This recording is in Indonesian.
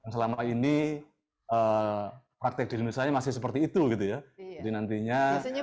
selama ini praktek di indonesia masih seperti itu gitu ya